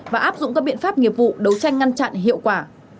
và áp dụng các biện pháp nghiệp vụ đấu tranh ngăn chặn hiệu quả